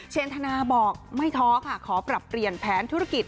เชนธนาบอกไม่ท้อค่ะขอปรับเปลี่ยนแผนธุรกิจ